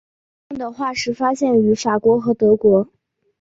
它们的化石发现于法国和德国。